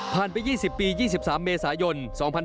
ผ่านไป๒๐ปี๒๓เมษายน๒๕๕๗